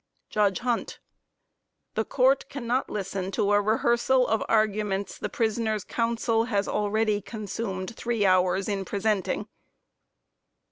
JUDGE HUNT The Court cannot listen to a rehearsal of arguments the prisoner's counsel has already consumed three hours in presenting.